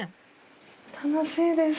楽しいです。